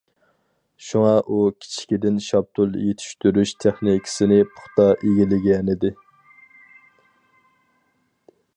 شۇڭا، ئۇ كىچىكىدىن شاپتۇل يېتىشتۈرۈش تېخنىكىسىنى پۇختا ئىگىلىگەنىدى.